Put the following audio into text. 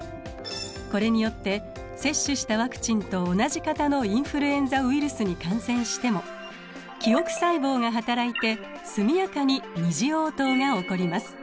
これによって接種したワクチンと同じ型のインフルエンザウイルスに感染しても記憶細胞がはたらいて速やかに二次応答が起こります。